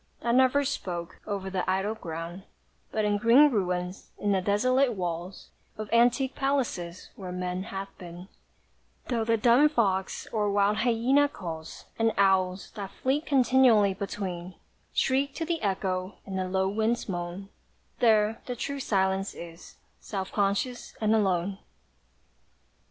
That never spoke, over the idle ground: But in green ruins, in the desolate walls Of antique palaces, where Man hath been, Though the dun fox, or wild hyæna, calls, And owls, that flit continually between, Shriek to the echo, and the low winds moan, There the true Silence is, self conscious and alone.